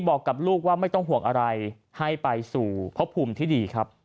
บอกกับลูกว่าไม่ต้องห่วงอะไรให้ไปสู่พบภูมิที่ดีครับ